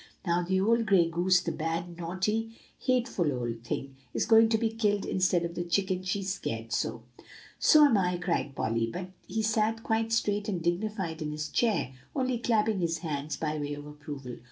"Now the old gray goose, the bad, naughty, hateful old thing, is going to be killed, instead of the chicken she scared so." "So am I," cried Percy; but he sat quite straight and dignified in his chair, only clapping his hands by way of approval.